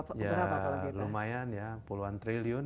kalau kita lumayan ya puluhan triliun